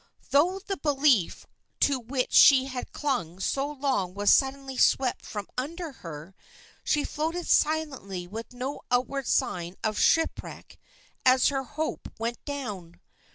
Though the belief to which she had clung so long was suddenly swept from under her, she floated silently with no outward sign of shipwreck as her hope went down.